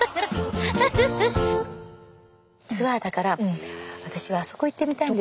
ツアーだから私はあそこ行ってみたいんだよね。